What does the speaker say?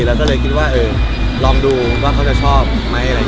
เราก็เลยคิดว่าเออลองดูว่าเขาจะชอบไหมอะไรอย่างนี้